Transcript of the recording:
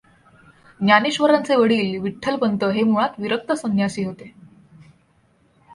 ज्ञानेश्वरांचे वडील विठ्ठलपंत हे मुळात विरक्त संन्यासी होते.